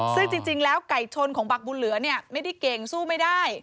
ซึ่งจริงแล้วไก่ชนของบักบุญเหลือเนี่ยไม่ได้เก่งสู้ไม่ได้